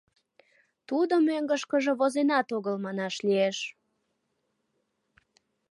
Тудо мӧҥгышкыжӧ возенат огыл, манаш лиеш.